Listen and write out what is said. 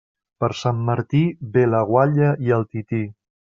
Per Sant Martí, ve la guatlla i el tití.